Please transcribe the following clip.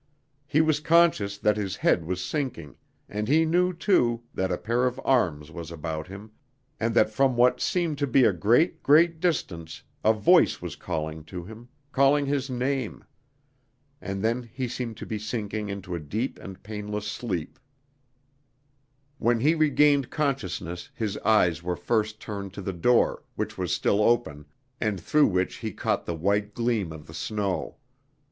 He was conscious that his head was sinking, and he knew, too, that a pair of arms was about him, and that from what seemed to be a great, great distance a voice was calling to him, calling his name. And then he seemed to be sinking into a deep and painless sleep. When he regained consciousness his eyes were first turned to the door, which was still open, and through which he caught the white gleam of the snow.